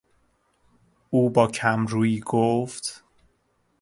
او با کم رویی گفت...